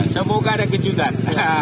semoga ada kejutan